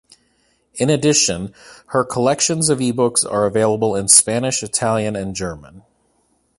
In addition, her collections of ebooks are available in Spanish, Italian and German.